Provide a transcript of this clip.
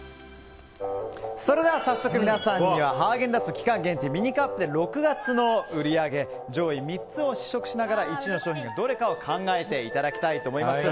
それでは早速皆さんにはハーゲンダッツ期間限定ミニカップで６月の売り上げ上位３つを試食しながら１位の商品がどれかを考えていただきたいと思います。